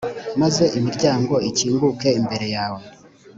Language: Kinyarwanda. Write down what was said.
maze imiryango ikinguke imbere yawe.